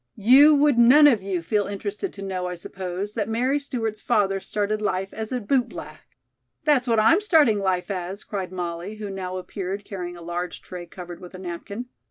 "You would none of you feel interested to know, I suppose, that Mary Stewart's father started life as a bootblack " "That's what I'm starting life as," cried Molly, who now appeared carrying a large tray covered with a napkin.